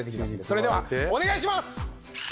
それではお願いします！